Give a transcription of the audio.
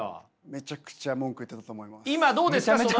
めちゃめちゃ文句言ってたと思います。